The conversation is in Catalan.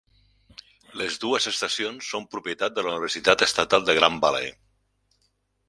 Les dues estacions són propietat de la Universitat Estatal de Grand Valley.